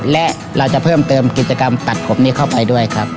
และเราจะเพิ่มเติมกิจกรรมตัดผมนี้เข้าไปด้วยครับ